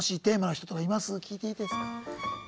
聞いていいですか？